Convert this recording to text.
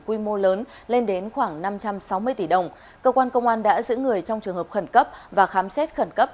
quy mô lớn lên đến khoảng năm trăm sáu mươi tỷ đồng cơ quan công an đã giữ người trong trường hợp khẩn cấp và khám xét khẩn cấp